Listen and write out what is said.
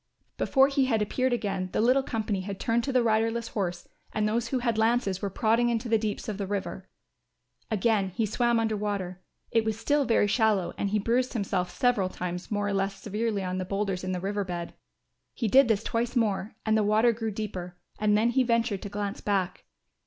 Before he had appeared again the little company had turned to the riderless horse and those who had lances were prodding into the deeps of the river. Again he swam under water; it was still very shallow and he bruised himself several times more or less severely on the boulders in the river bed. He did this twice more and the water grew deeper; and then he ventured to glance back.